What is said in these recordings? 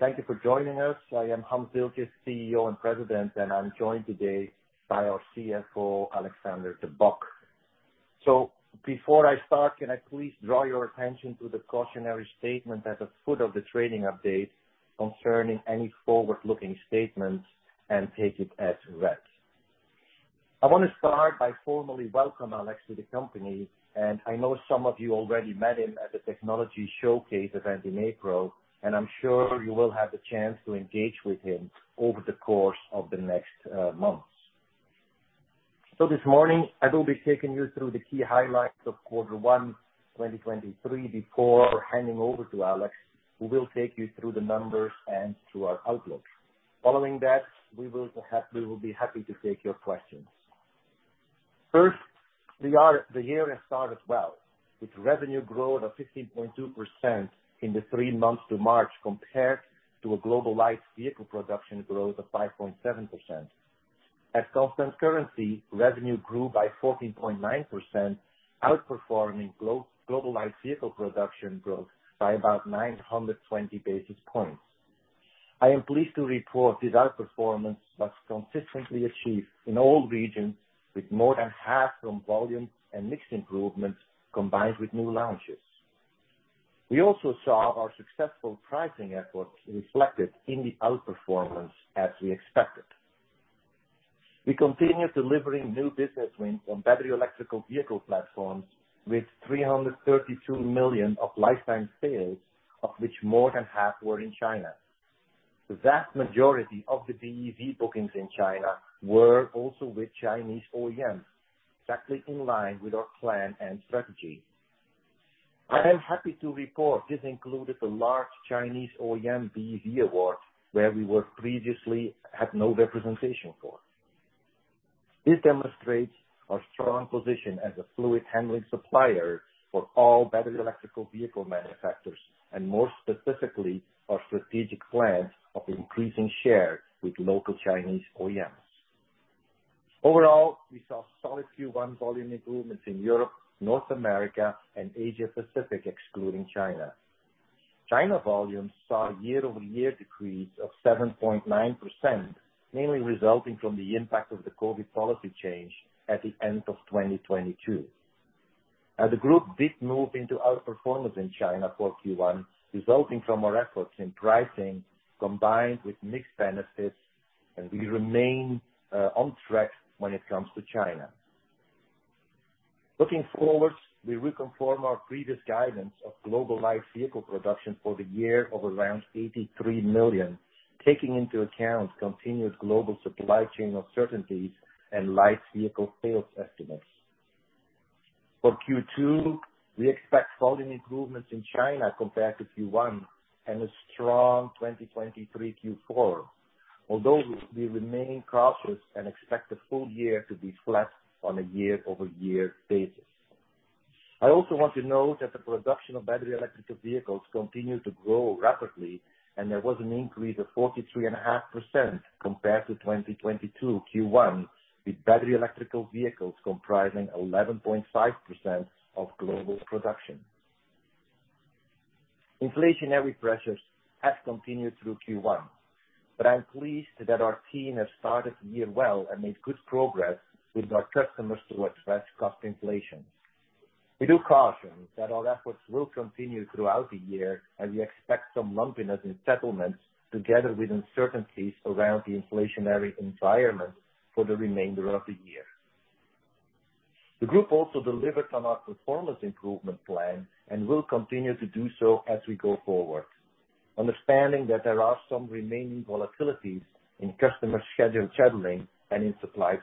Thank you for joining us. I am Hans Dieltjens, CEO and President, and I'm joined today by our CFO, Alexander De Bock. Before I start, can I please draw your attention to the cautionary statement at the foot of the trading update concerning any forward-looking statements and take it as read. I want to start by formally welcome Alex to the company. I know some of you already met him at the technology showcase event in April, I'm sure you will have the chance to engage with him over the course of the next months. This morning I will be taking you through the key highlights of quarter one, 2023, before handing over to Alex, who will take you through the numbers and through our outlooks. Following that, we will be happy to take your questions. First, the year has started well, with revenue growth of 15.2% in the three months to March, compared to a global light vehicle production growth of 5.7%. At constant currency, revenue grew by 14.9%, outperforming global light vehicle production growth by about 920 basis points. I am pleased to report this outperformance was consistently achieved in all regions with more than half from volume and mix improvements combined with new launches. We also saw our successful pricing efforts reflected in the outperformance as we expected. We continue delivering new business wins on battery electrical vehicle platforms with 332 million of lifetime sales, of which more than half were in China. The vast majority of the BEV bookings in China were also with Chinese OEMs, exactly in line with our plan and strategy. I am happy to report this included a large Chinese OEM BEV award, where we were previously had no representation for. This demonstrates our strong position as a fluid handling supplier for all battery electrical vehicle manufacturers and more specifically, our strategic plans of increasing share with local Chinese OEMs. Overall, we saw solid Q1 volume improvements in Europe, North America, and Asia Pacific, excluding China. China volumes saw a year-over-year decrease of 7.9%, mainly resulting from the impact of the COVID policy change at the end of 2022. The group did move into outperformance in China for Q1, resulting from our efforts in pricing combined with mixed benefits, and we remain on track when it comes to China. Looking forward, we reconfirm our previous guidance of global light vehicle production for the year of around 83 million, taking into account continuous global supply chain uncertainties and light vehicle sales estimates. For Q2, we expect volume improvements in China compared to Q1 and a strong 2023 Q4, although we remain cautious and expect the full year to be flat on a year-over-year basis. I also want to note that the production of battery electrical vehicles continued to grow rapidly. There was an increase of 43.5% compared to 2022 Q1, with battery electrical vehicles comprising 11.5% of global production. Inflationary pressures have continued through Q1. I'm pleased that our team has started the year well and made good progress with our customers to address cost inflation. We do caution that our efforts will continue throughout the year, as we expect some lumpiness in settlements together with uncertainties around the inflationary environment for the remainder of the year. The group also delivered on our performance improvement plan and will continue to do so as we go forward, understanding that there are some remaining volatilities in customer scheduling and in supply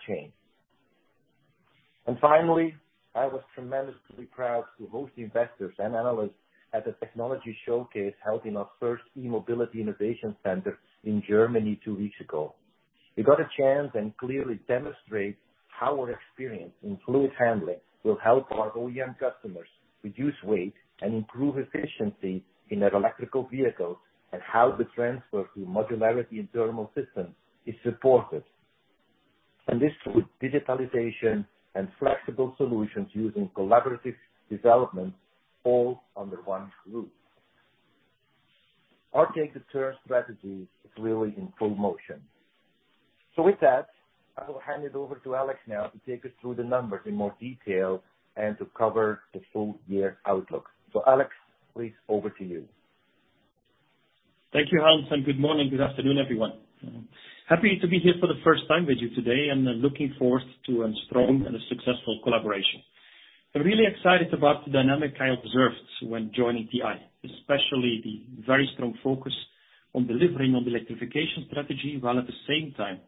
chain. Finally, I was tremendously proud to host investors and analysts at the technology showcase held in our first e-mobility innovation center in Germany two weeks ago. We got a chance and clearly demonstrate how our experience in fluid handling will help our OEM customers reduce weight and improve efficiency in their electrical vehicles and how the transfer to modularity in thermal systems is supported. This with digitalization and flexible solutions using collaborative development all under one roof. Our Take the Turn strategy is really in full motion. With that, I will hand it over to Alex now to take us through the numbers in more detail and to cover the full year outlook. Alex, please, over to you. Thank you, Hans. Good morning, good afternoon, everyone. Happy to be here for the first time with you today, looking forward to a strong and a successful collaboration. I'm really excited about the dynamic I observed when joining TI, especially the very strong focus on delivering on the electrification strategy, while at the same time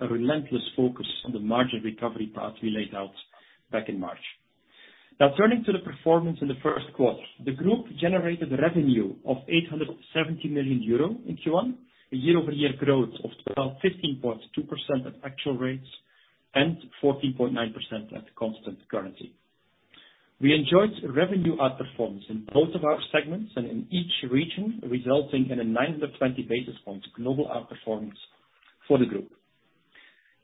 a relentless focus on the margin recovery path we laid out back in March. Turning to the performance in the first quarter. The group generated revenue of 870 million euro in Q1, a year-over-year growth of 15.2% at actual rates and 14.9% at constant currency. We enjoyed revenue outperformance in both of our segments and in each region, resulting in a 920 basis points global outperformance for the group.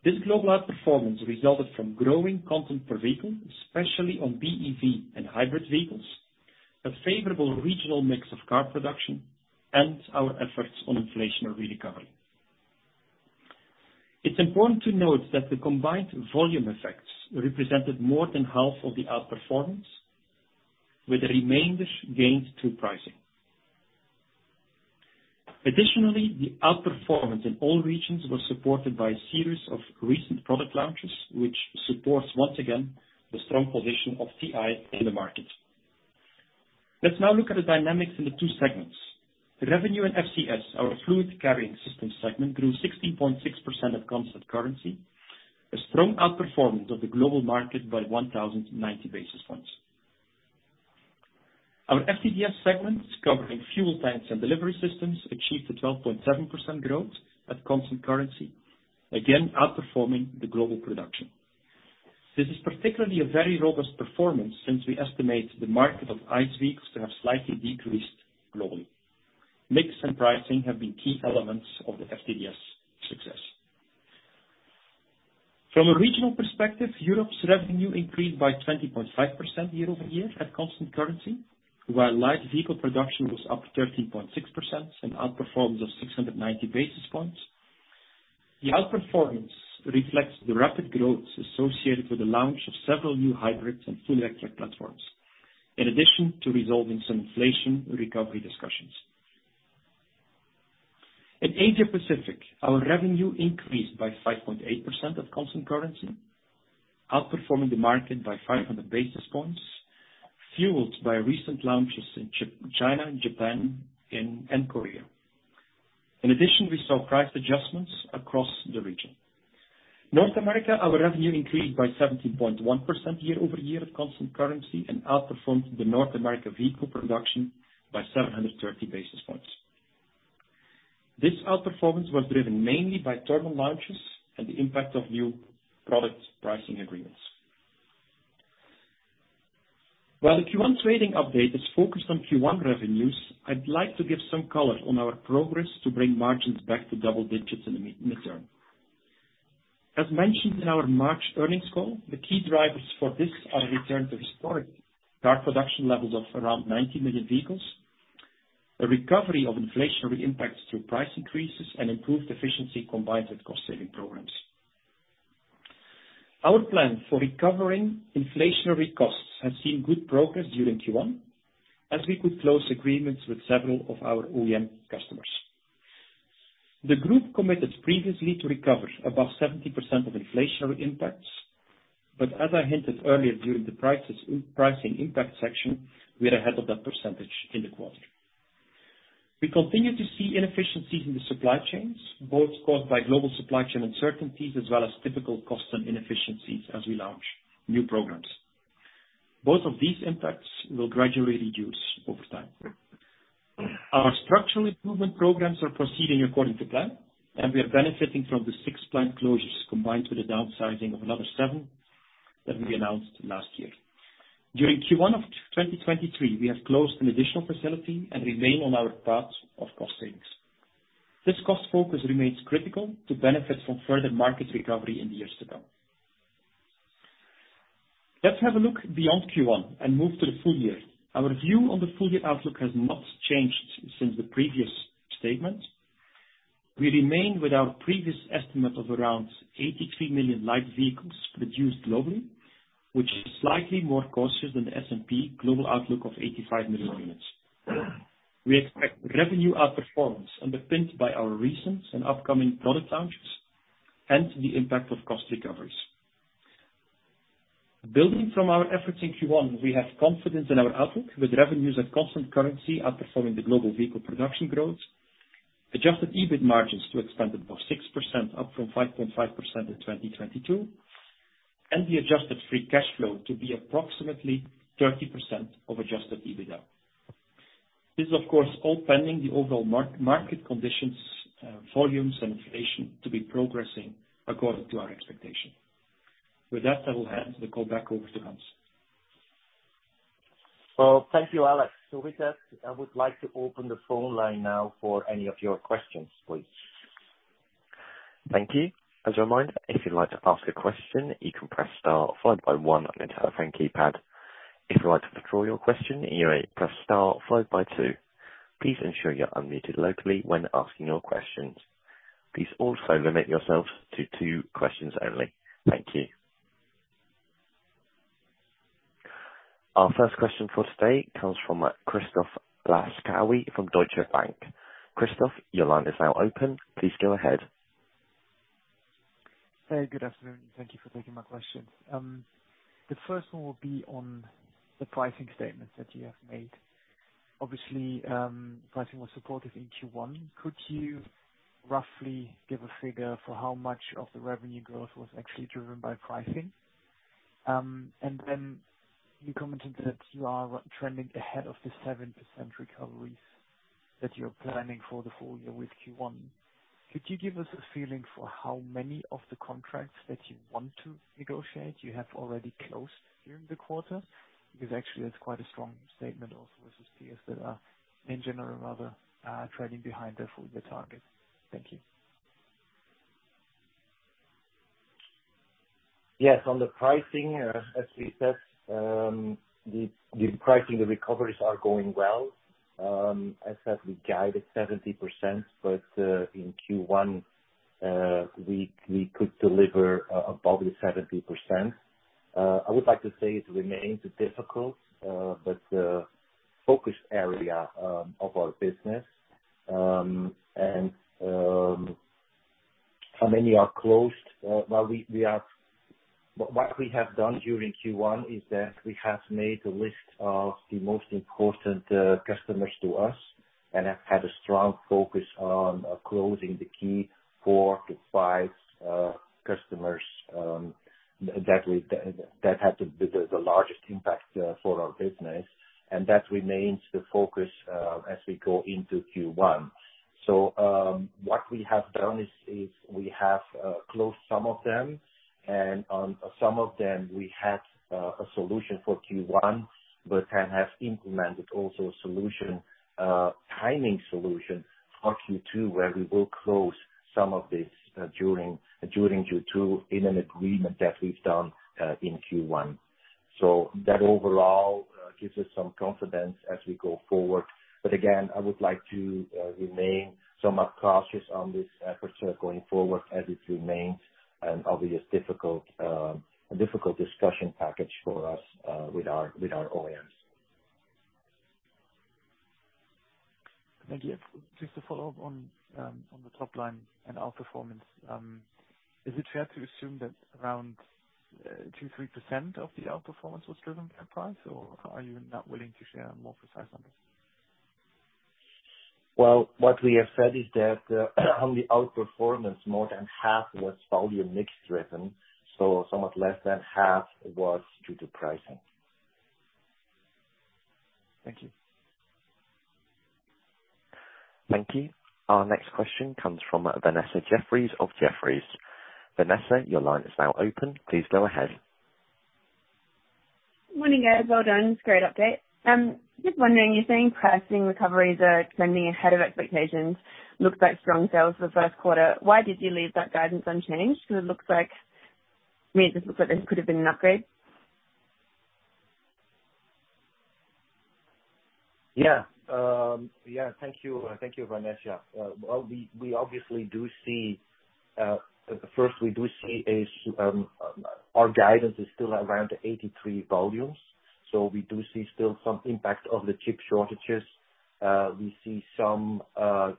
This global outperformance resulted from growing content per vehicle, especially on BEV and hybrid vehicles, a favorable regional mix of car production, and our efforts on inflationary recovery. It's important to note that the combined volume effects represented more than half of the outperformance, with the remainder gained through pricing. The outperformance in all regions was supported by a series of recent product launches, which supports once again the strong position of TI in the market. Let's now look at the dynamics in the two segments. The revenue in FCS, our Fluid Carrying Systems segment, grew 60.6% at constant currency, a strong outperformance of the global market by 1,090 basis points. Our FTDS segment covering Fuel Tank and Delivery Systems achieved a 12.7% growth at constant currency, again outperforming the global production. This is particularly a very robust performance since we estimate the market of ICE vehicles to have slightly decreased globally. Mix and pricing have been key elements of the FTDS success. From a regional perspective, Europe's revenue increased by 20.5% year-over-year at constant currency, while light vehicle production was up 13.6% and outperforms of 690 basis points. The outperformance reflects the rapid growth associated with the launch of several new hybrids and full electric platforms, in addition to resolving some inflation recovery discussions. In Asia Pacific, our revenue increased by 5.8% at constant currency, outperforming the market by 500 basis points, fueled by recent launches in China, Japan, and Korea. We saw price adjustments across the region. North America, our revenue increased by 17.1% year-over-year at constant currency and outperformed the North America vehicle production by 730 basis points. This outperformance was driven mainly by terminal launches and the impact of new product pricing agreements. While the Q1 trading update is focused on Q1 revenues, I'd like to give some color on our progress to bring margins back to double digits in the midterm. As mentioned in our March earnings call, the key drivers for this are a return to historic car production levels of around 90 million vehicles, a recovery of inflationary impacts through price increases and improved efficiency combined with cost saving programs. Our plan for recovering inflationary costs has seen good progress during Q1 as we could close agreements with several of our OEM customers. The group committed previously to recover above 70% of inflationary impacts, as I hinted earlier during the prices, pricing impact section, we are ahead of that percentage in the quarter. We continue to see inefficiencies in the supply chains, both caused by global supply chain uncertainties as well as typical cost and inefficiencies as we launch new programs. Both of these impacts will gradually reduce over time. Our structural improvement programs are proceeding according to plan, we are benefiting from the six plant closures combined with the downsizing of another seven that we announced last year. During Q1 of 2023, we have closed an additional facility and remain on our path of cost savings. This cost focus remains critical to benefit from further market recovery in the years to come. Let's have a look beyond Q1 and move to the full year. Our view on the full year outlook has not changed since the previous statement. We remain with our previous estimate of around 83 million light vehicles produced globally, which is slightly more cautious than the S&P Global outlook of 85 million units. We expect revenue outperformance underpinned by our recent and upcoming product launches and the impact of cost recoveries. Building from our efforts in Q1, we have confidence in our outlook with revenues at constant currency outperforming the global vehicle production growth, Adjusted EBIT margins to expand above 6% up from 5.5% in 2022, and the Adjusted Free Cash Flow to be approximately 30% of Adjusted EBITDA. This is of course all pending the overall market conditions, volumes and inflation to be progressing according to our expectation. With that, I will hand the call back over to Hans. Thank you, Alex. With that, I would like to open the phone line now for any of your questions, please. Thank you. As a reminder, if you'd like to ask a question, you can press star followed by one on your telephone keypad. If you'd like to withdraw your question, you may press star followed by two. Please ensure you're unmuted locally when asking your questions. Please also limit yourselves to two questions only. Thank you. Our first question for today comes from Christoph Laskawi from Deutsche Bank. Christoph, your line is now open. Please go ahead. Hey, good afternoon. Thank you for taking my questions. The first one will be on the pricing statements that you have made. Obviously, pricing was supportive in Q1. Could you roughly give a figure for how much of the revenue growth was actually driven by pricing? Then you commented that you are trending ahead of the 7% recoveries that you're planning for the full year with Q1. Could you give us a feeling for how many of the contracts that you want to negotiate you have already closed during the quarter? Because actually that's quite a strong statement also versus peers that are, in general, rather, trending behind their full year targets. Thank you. Yes, on the pricing, as we said, the pricing, the recoveries are going well. As said, we guided 70%, but in Q1, we could deliver above the 70%. I would like to say it remains difficult, but the focus area of our business and how many are closed, while what we have done during Q1 is that we have made a list of the most important customers to us and have had a strong focus on closing the key four to five customers that had the largest impact for our business. That remains the focus as we go into Q1. What we have done is we have closed some of them, and on some of them we had a solution for Q1, but have implemented also a solution, timing solution for Q2, where we will close some of this during Q2 in an agreement that we've done in Q1. That overall, gives us some confidence as we go forward. Again, I would like to remain somewhat cautious on this effort going forward as it remains an obvious difficult, a difficult discussion package for us, with our OEMs. Thank you. Just to follow up on the top line and outperformance, is it fair to assume that around 2%-3% of the outperformance was driven by price? Or are you not willing to share more precise numbers? What we have said is that on the outperformance, more than half was volume mix driven, so somewhat less than half was due to pricing. Thank you. Thank you. Our next question comes from Vanessa Jeffries of Jefferies. Vanessa, your line is now open. Please go ahead. Morning, guys. Well done. It's a great update. Just wondering, you're saying pricing recoveries are trending ahead of expectations, Looks like strong sales for the first quarter. Why did you leave that guidance unchanged? It looks like... I mean, it just looks like this could have been an upgrade. Yeah. Yeah. Thank you, Vanessa. Well, we obviously do see, first, we do see is, our guidance is still around 83 volumes, we do see still some impact of the chip shortages. We see some the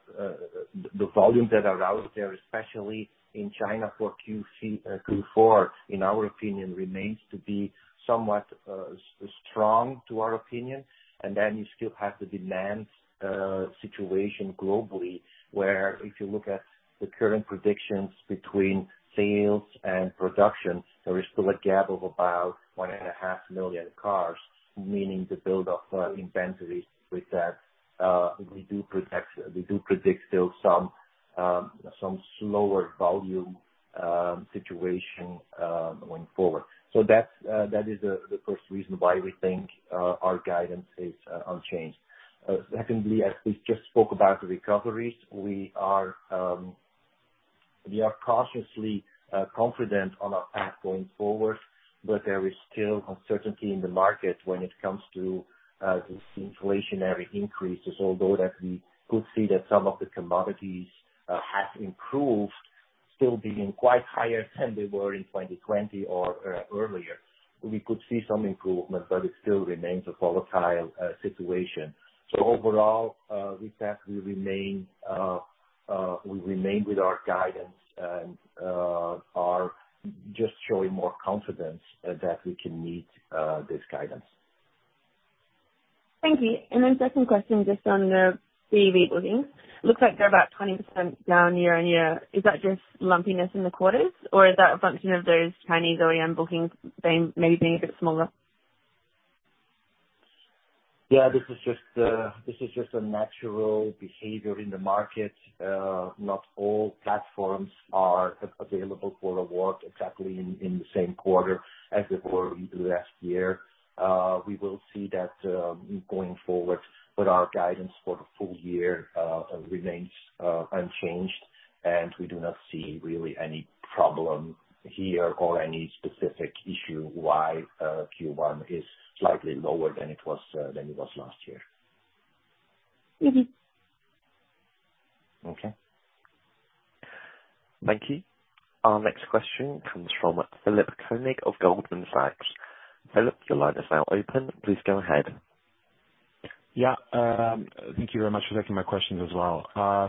volume that are out there, especially in China for Q4, in our opinion, remains to be somewhat strong to our opinion. You still have the demand situation globally, where if you look at the current predictions between sales and production, there is still a gap of about 1.5 million cars, meaning the build up inventory with that. We do predict still some slower volume situation going forward. That's that is the first reason why we think our guidance is unchanged. Secondly, as we just spoke about the recoveries, we are cautiously confident on our path going forward, but there is still uncertainty in the market when it comes to this inflationary increases. Although that we could see that some of the commodities have improved, still being quite higher than they were in 2020 or earlier, we could see some improvement, but it still remains a volatile situation. Overall, with that we remain with our guidance and are just showing more confidence that we can meet this guidance. Thank you. Second question, just on the BEV bookings. Looks like they're about 20% down year-on-year. Is that just lumpiness in the quarters or is that a function of those Chinese OEM bookings being, maybe being a bit smaller? This is just a natural behavior in the market. Not all platforms are available for award exactly in the same quarter as they were last year. We will see that going forward. Our guidance for the full year remains unchanged. We do not see really any problem here or any specific issue why Q1 is slightly lower than it was last year. Mm-hmm. Okay. Thank you. Our next question comes from Philipp Koenig of Goldman Sachs. Philipp, your line is now open. Please go ahead. Yeah. Thank y ou very much for taking my questions as well.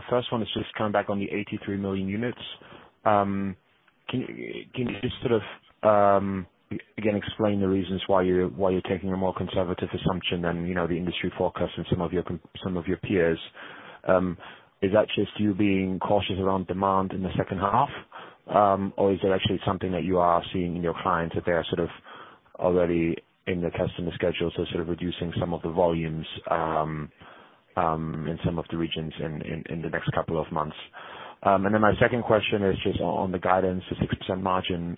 First one is just coming back on the 83 million units. Can you just sort of, again, explain the reasons why you're, why you're taking a more conservative assumption than, you know, the industry forecast and some of your peers? Is that just you being cautious around demand in the second half, or is it actually something that you are seeing in your clients that they are sort of already in the customer schedule, so sort of reducing some of the volumes in some of the regions in the next couple of months? My second question is just on the guidance to 60% margin.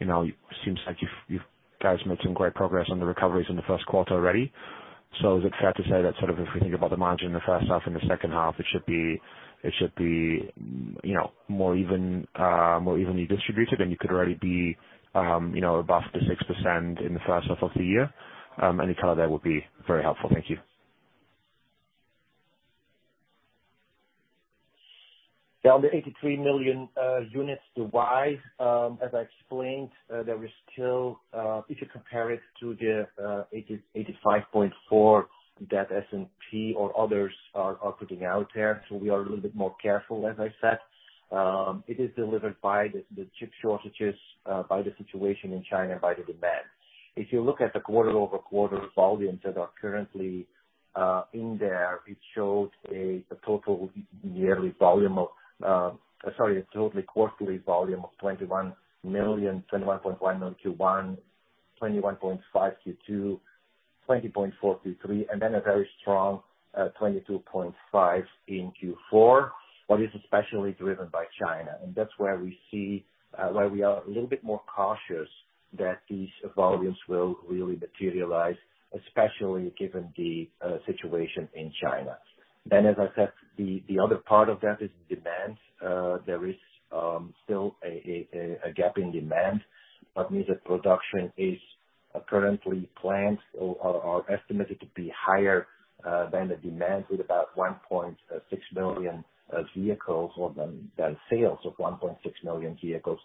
You know, you've guys made some great progress on the recoveries in the first quarter already. Is it fair to say that sort of if we think about the margin in the first half and the second half, it should be, you know, more even, more evenly distributed, and you could already be, you know, above the 6% in the first half of the year? Any color there would be very helpful. Thank you. Yeah, on the 83 million units divide, as I explained, that we're still, if you compare it to the 85.4 that S&P or others are putting out there, we are a little bit more careful, as I said. It is delivered by the chip shortages, by the situation in China, by the demand. If you look at the quarter-over-quarter volumes that are currently in there, it shows a total volume of, sorry, a total quarterly volume of 21 million, 21.1 million on Q1, 21.5 million million Q2, 20.4 million Q3, then a very strong 22.5 million in Q4. What is especially driven by China, and that's where we see why we are a little bit more cautious that these volumes will really materialize, especially given the situation in China. As I said, the other part of that is demand. There is still a gap in demand. What means that production is currently planned or estimated to be higher than the demand with about 1.6 million vehicles or than sales of 1.6 million vehicles.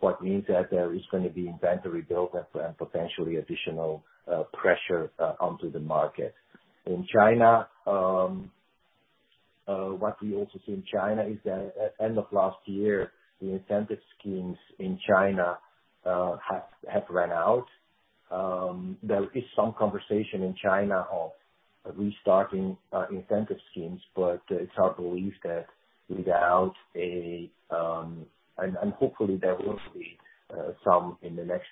What means that there is gonna be inventory build-up and potentially additional pressure onto the market. In China, what we also see in China is that at end of last year, the incentive schemes in China have ran out. There is some conversation in China of restarting incentive schemes, but it's our belief that without a. Hopefully there will be some in the next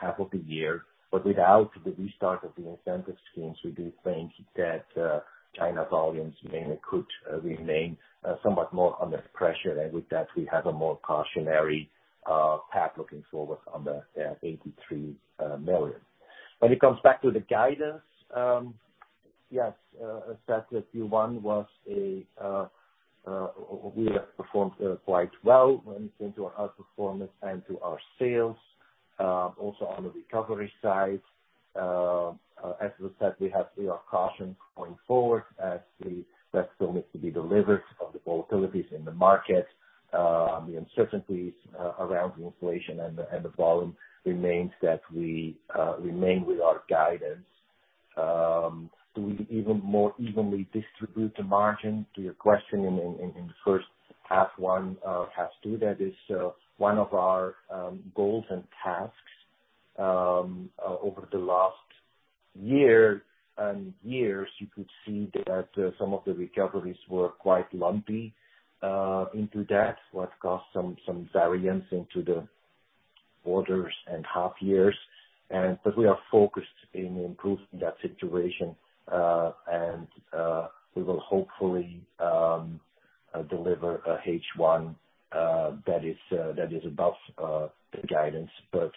half of the year. Without the restart of the incentive schemes, we do think that China's volumes mainly could remain somewhat more under pressure. With that, we have a more cautionary path looking forward on the 83 million. When it comes back to the guidance, yes, as said that Q1 was a. We have performed quite well when it came to our outperformance and to our sales. Also on the recovery side, as we said, we have, we are cautioned going forward as the best still needs to be delivered on the volatilities in the market, on the uncertainties around the inflation and the volume remains that we remain with our guidance. Do we even more evenly distribute the margin? To your question in the first half one, half two, that is one of our goals and tasks. Over the last year and years, you could see that some of the recoveries were quite lumpy into that, what caused some variance into the quarters and half years. But we are focused in improving that situation, and we will hopefully deliver a H1 that is above the guidance. For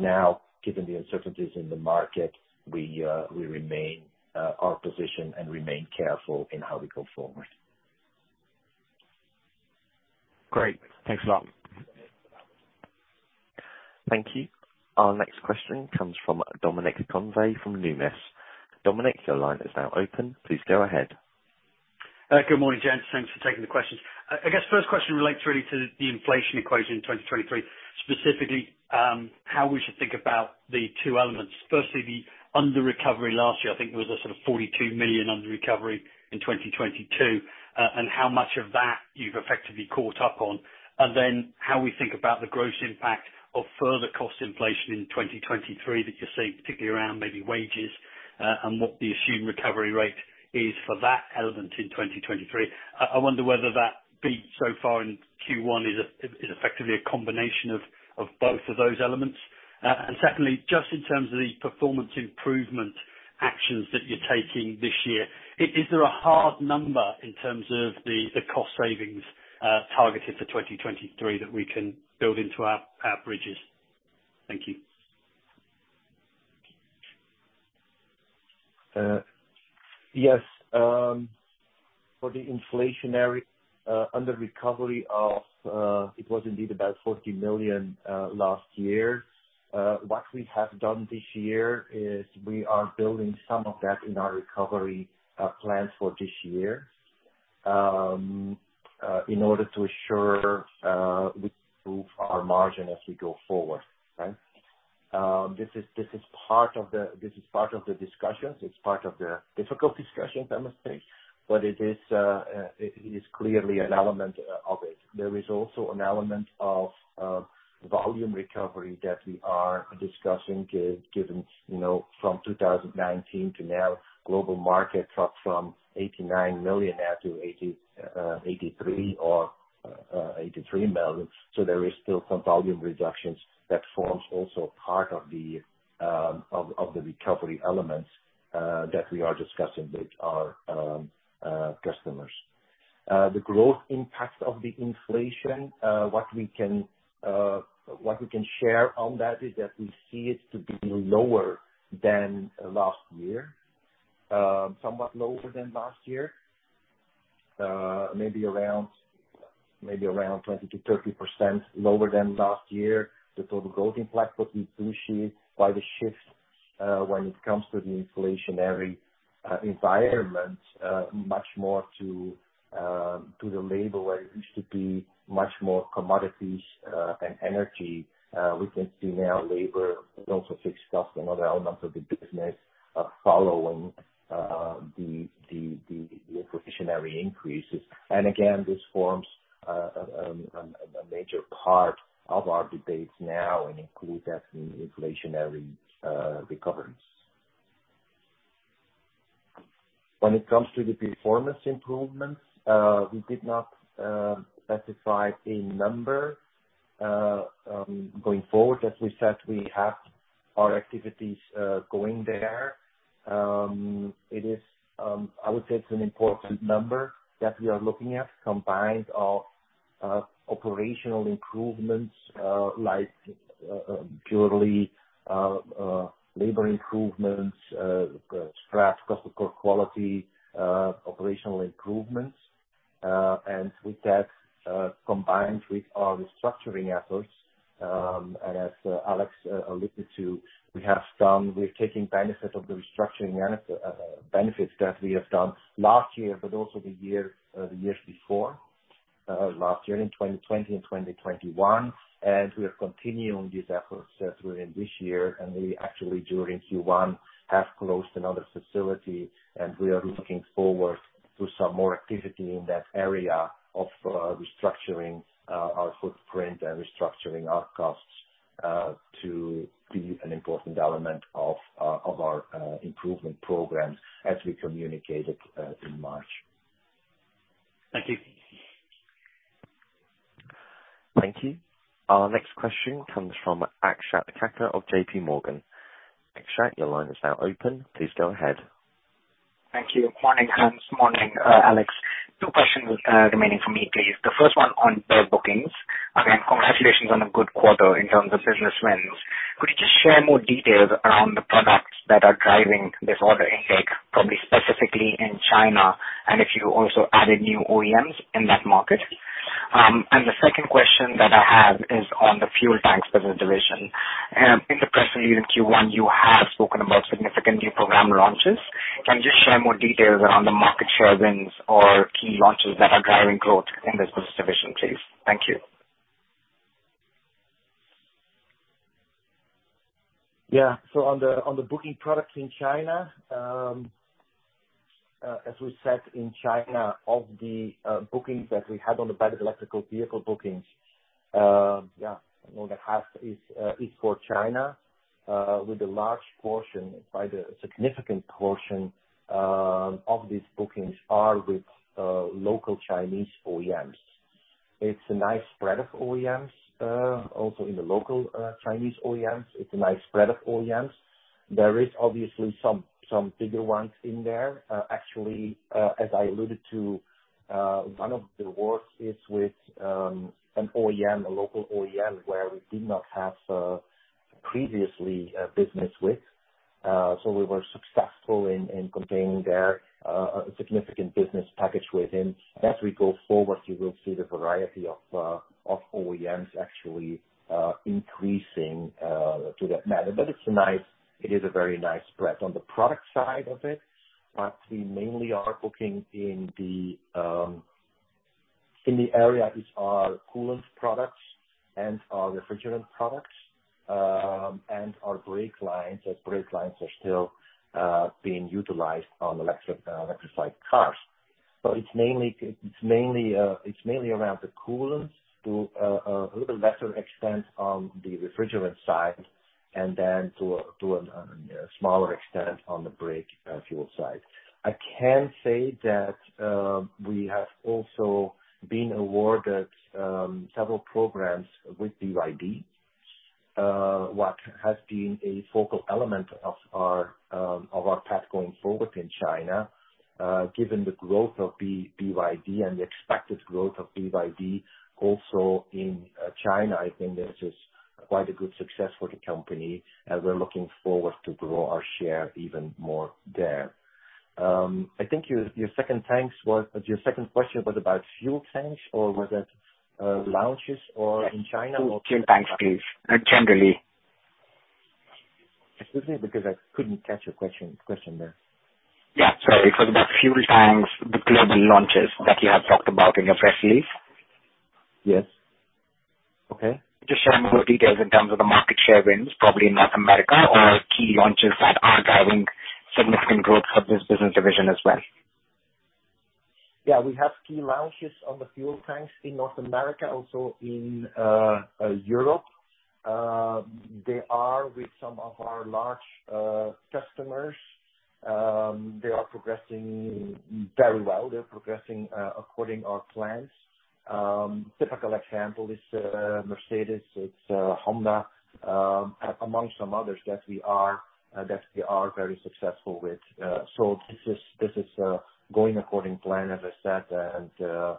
now, given the uncertainties in the market, we remain our position and remain careful in how we go forward. Great. Thanks a lot. Thank you. Our next question comes from Dominic Convey from Numis. Dominic, your line is now open. Please go ahead. Good morning, gents. Thanks for taking the questions. I guess first question relates really to the inflation equation in 2023, specifically, how we should think about the two elements. Firstly, the under recovery last year, I think there was a sort of 42 million under recovery in 2022, and how much of that you've effectively caught up on. How we think about the gross impact of further cost inflation in 2023 that you're seeing, particularly around maybe wages, and what the assumed recovery rate is for that element in 2023. I wonder whether that beat so far in Q1 is effectively a combination of both of those elements. Secondly, just in terms of the performance improvement actions that you're taking this year, is there a hard number in terms of the cost savings, targeted for 2023 that we can build into our bridges? Thank you. Yes. For the inflationary under recovery of, it was indeed about 40 million last year. What we have done this year is we are building some of that in our recovery plans for this year. In order to assure we improve our margin as we go forward, right? This is part of the discussions. It's part of the difficult discussions, I must say. It is clearly an element of it. There is also an element of volume recovery that we are discussing given, you know, from 2019 to now, global market dropped from 89 million down to 83 million. There is still some volume reductions. That forms also a part of the recovery elements that we are discussing with our customers. The growth impact of the inflation, what we can share on that is that we see it to be lower than last year. Somewhat lower than last year. Maybe around 20%-30% lower than last year. The total growth impact will be pushed by the shift when it comes to the inflationary environment, much more to the labor where it used to be much more commodities and energy. We can see now labor and also fixed cost and other elements of the business following the inflationary increases. Again, this forms a major part of our debates now and includes that in inflationary recoveries. When it comes to the performance improvements, we did not specify a number. Going forward, as we said, we have our activities going there. It is, I would say it's an important number that we are looking at combined of operational improvements, like purely labor improvements, cost of quality, operational improvements. With that, combined with our restructuring efforts, and as Alex alluded to, we're taking benefit of the restructuring benefits that we have done last year, but also the year the years before last year in 2020 and 2021. We are continuing these efforts during this year. We actually during Q1 have closed another facility, and we are looking forward to some more activity in that area of restructuring our footprint and restructuring our costs to be an important element of our improvement programs as we communicated in March. Thank you. Thank you. Our next question comes from Akshat Kacker of JP Morgan. Akshat, your line is now open. Please go ahead. Thank you. Morning, Hans. Morning, Alex. Two questions remaining for me, please. The first one on bookings. Again, congratulations on a good quarter in terms of business wins. Could you just share more details around the products that are driving this order intake, probably specifically in China, and if you also added new OEMs in that market? The second question that I have is on the fuel tanks business division. In the press release in Q1 you have spoken about significant new program launches. Can you just share more details around the market share wins or key launches that are driving growth in this business division, please? Thank you. On the booking products in China, as we said in China, of the bookings that we had on the back of electrical vehicle bookings, more than half is for China, with a large portion, quite a significant portion, of these bookings are with local Chinese OEMs. It's a nice spread of OEMs, also in the local Chinese OEMs, it's a nice spread of OEMs. There is obviously some bigger ones in there. Actually, as I alluded to, one of the works is with an OEM, a local OEM, where we did not have previously a business with. We were successful in obtaining their significant business package with him. As we go forward, you will see the variety of OEMs actually increasing to that matter. It is a very nice spread. On the product side of it, what we mainly are booking in the area is our coolant products and our refrigerant products and our brake lines, as brake lines are still being utilized on electric electrified cars. It's mainly around the coolants to a little lesser extent on the refrigerant side and then to a smaller extent on the brake fuel side. I can say that we have also been awarded several programs with BYD, what has been a focal element of our path going forward in China. Given the growth of BYD and the expected growth of BYD also in China, I think this is quite a good success for the company, and we're looking forward to grow our share even more there. I think your second question was about fuel tanks or was it launches or in China or? Fuel tanks, please. Generally. Excuse me, because I couldn't catch your question there. Yeah, sorry. It was about fuel tanks, the global launches that you have talked about in your press release. Yes. Okay. Just share more details in terms of the market share wins, probably in North America or key launches that are driving significant growth of this business division as well. We have key launches on the fuel tanks in North America, also in Europe. They are with some of our large customers. They are progressing very well. They're progressing according our plans. Typical example is Mercedes, it's Honda, among some others that we are very successful with. This is going according plan, as I said, and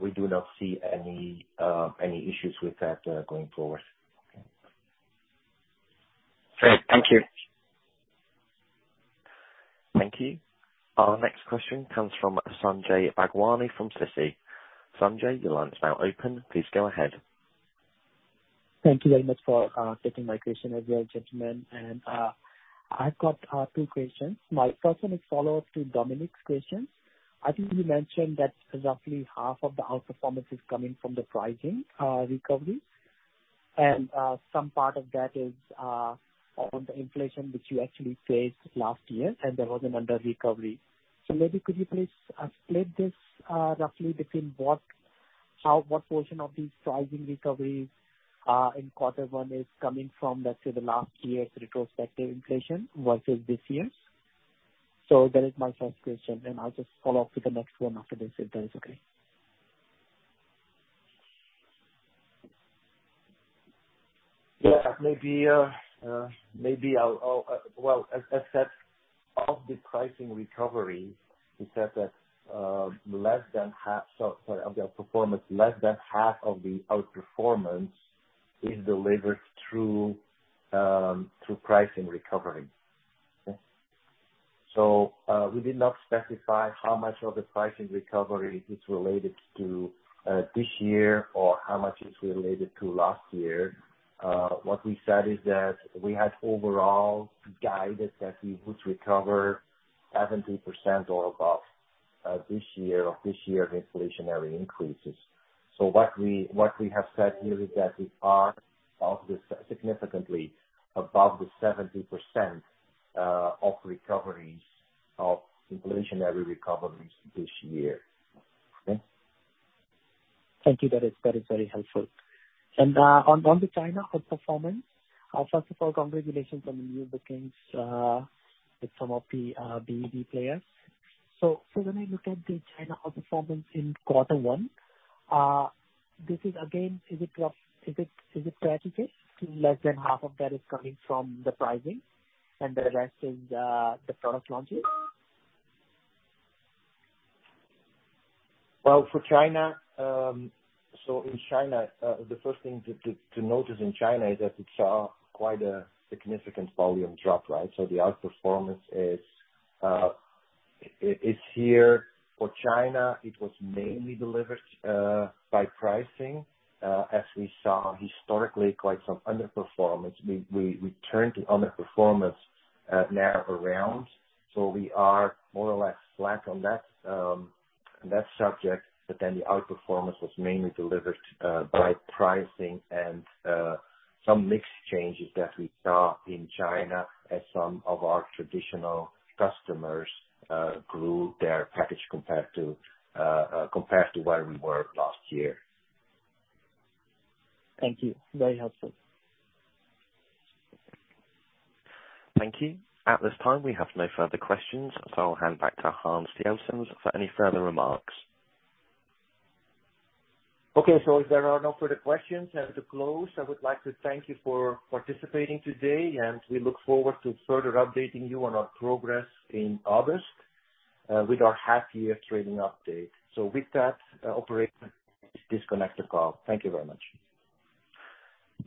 we do not see any issues with that going forward. Great. Thank you. Thank you. Our next question comes from Sanjay Bhagwani from Citi. Sanjay, your line is now open. Please go ahead. Thank you very much for taking my question as well, gentlemen. I've got two questions. My first one is follow-up to Dominic's question. I think you mentioned that roughly half of the outperformance is coming from the pricing recovery. Some part of that is on the inflation which you actually faced last year, and there was an under-recovery. Maybe could you please split this roughly between what portion of the pricing recovery in quarter one is coming from, let's say, the last year's retrospective inflation versus this year's? That is my first question, and I'll just follow up with the next one after this, if that is okay. Yeah. Maybe, maybe I'll... Well, as said, of the pricing recovery, we said that, less than half. Sorry. Of the outperformance, less than half of the outperformance is delivered through pricing recovery. Okay? We did not specify how much of the pricing recovery is related to this year or how much is related to last year. What we said is that we had overall guided that we would recover 70% or above this year of this year's inflationary increases. What we have said here is that we are above the significantly above the 70% of recoveries of inflationary recoveries this year. Okay? Thank you. That is very helpful. On the China outperformance, first of all, congratulations on the new bookings, with some of the BEV players. When I look at the China outperformance in quarter one, this is again, is it rough, is it fair to say less than half of that is coming from the pricing and the rest is, the product launches? Well, for China, in China, the first thing to notice in China is that it saw quite a significant volume drop, right? The outperformance is, it's here. For China, it was mainly delivered by pricing, as we saw historically quite some underperformance. We turned the underperformance at narrow around, so we are more or less flat on that subject. The outperformance was mainly delivered by pricing and some mix changes that we saw in China as some of our traditional customers grew their package compared to where we were last year. Thank you. Very helpful. Thank you. At this time, we have no further questions, so I'll hand back to Hans Dieltjens for any further remarks. Okay. If there are no further questions, I have to close. I would like to thank you for participating today, and we look forward to further updating you on our progress in August with our half year trading update. With that, Operator, please disconnect the call. Thank you very much.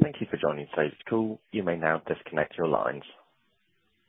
Thank you for joining today's call. You may now disconnect your lines.